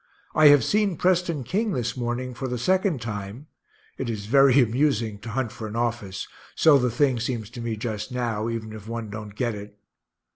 I have seen Preston King this morning for the second time (it is very amusing to hunt for an office so the thing seems to me just now, even if one don't get it).